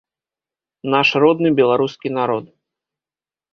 Наш родны беларускі народ!